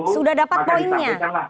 setelah itu maka disampaikanlah